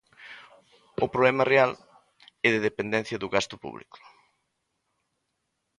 O problema real é de dependencia do gasto público.